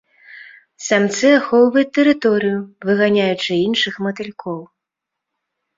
Самцы ахоўваюць тэрыторыю, выганяючы іншых матылькоў.